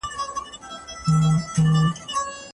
پلار ورته بل ځای ښودلی و.